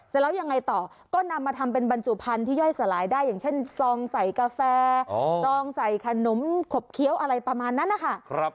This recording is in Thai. แล้วยังไงต่อก็นำมาทำเป็นบรรจุพันธุ์ที่ย่อยสลายได้อย่างเช่นซองใส่กาแฟซองใส่ขนมขบเคี้ยวอะไรประมาณนั้นนะคะ